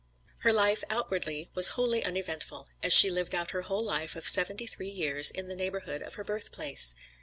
"Her life outwardly was wholly uneventful; as she lived out her whole life of seventy three years in the neighborhood of her birth place."